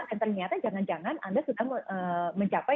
dan ternyata jangan jangan anda sudah mencapai